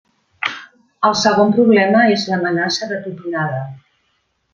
El segon problema és l'amenaça de tupinada.